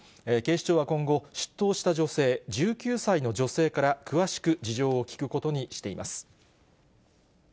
警視庁は今後、出頭した女性、１９歳の女性から詳しく事情を聴くことにしています。